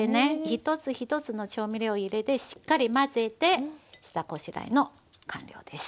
一つ一つの調味料を入れてしっかり混ぜて下ごしらえの完了です。